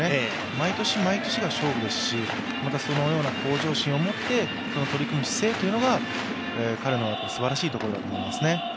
毎年、毎年が勝負ですし、そのような向上心を持って取り組む姿勢というのが彼のすばらしいところだと思いますね。